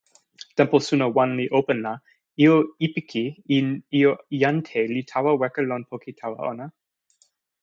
tenpo suno wan li open la, ijo Ipiki en ijo Jante li tawa weka lon poki tawa ona.